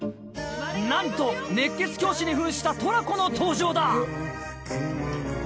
なんと熱血教師に扮したトラコの登場だ。